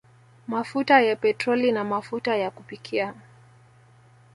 Mafuta ya petroli na mafuta ya kupikia